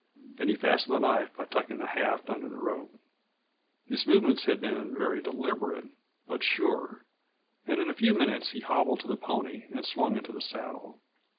Then he fastened the knife by tucking the haft under the rope. His movements had been very deliberate, but sure, and in a few minutes he hobbled to his pony and swung into the saddle.